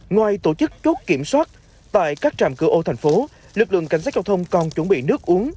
ngoài tổ chức chốt kiểm soát tại các trạm cửa ô thành phố lực lượng cảnh sát giao thông còn chuẩn bị nước uống